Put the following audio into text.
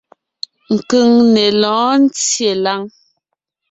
Keŋne lɔ̌ɔn ńtyê láŋ.